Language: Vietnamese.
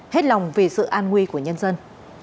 hết lòng về sự an nguy của nhân dân